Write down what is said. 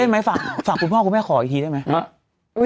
ไหมฝากคุณพ่อคุณแม่ขออีกทีได้ไหม